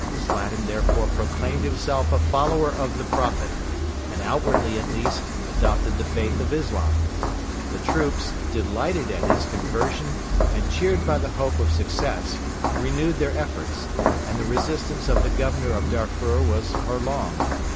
Slatin therefore proclaimed himself a follower of the Prophet, and outwardly at least adopted the faith of Islam. The troops, delighted at his conversion and cheered by the hope of success, renewed their efforts, and the resistance of the Governor of Darfur was prolonged.